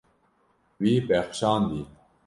Wî bexşandiye.